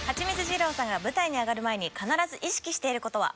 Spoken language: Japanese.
二郎さんが舞台に上がる前に必ず意識している事は？